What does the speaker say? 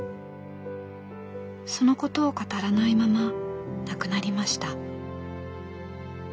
そのことを語らないまま亡くなりました。